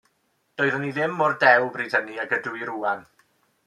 Doeddwn i ddim mor dew bryd hynny ag ydw i rŵan.